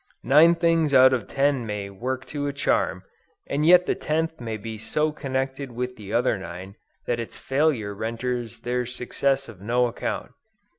Nine things out of ten may work to a charm, and yet the tenth may be so connected with the other nine, that its failure renders their success of no account.